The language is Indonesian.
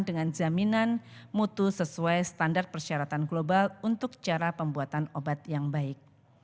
dengan jaminan mutu sesuai standar persyaratan global untuk cara pembuatan obat yang baik